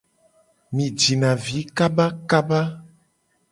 Mi jina vi kabakaba.